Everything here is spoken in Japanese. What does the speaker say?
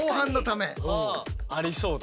ありそうだな。